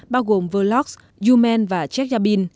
bao gồm vlokz yumen và chekhabin